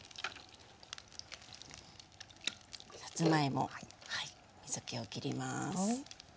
さつまいも水けをきります。